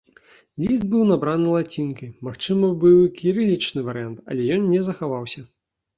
Ліст быў набраны лацінкай, магчыма быў і кірылічны варыянт, але ён не захаваўся.